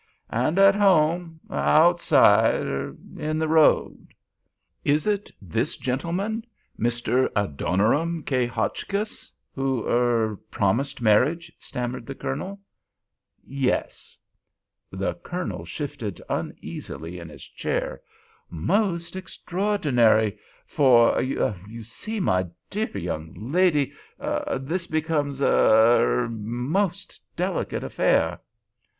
And at home—outside—er—in the road." "Is it this gentleman—Mr. Adoniram K. Hotchkiss—who—er—promised marriage?" stammered the Colonel. "Yes." The Colonel shifted uneasily in his chair. "Most extraordinary! for—you see—my dear young lady—this becomes—a—er—most delicate affair."